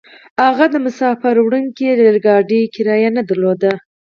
هغه د مساپر وړونکي ريل ګاډي کرايه نه درلوده.